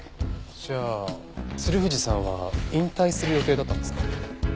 じゃあ鶴藤さんは引退する予定だったんですか？